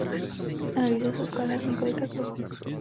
Analýza se skládá z několika kroků.